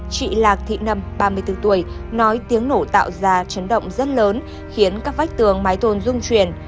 chị lạc thị nầm ba mươi bốn tuổi nói tiếng nổ tạo ra chấn động rất lớn khiến các vách tường máy tôn dung chuyển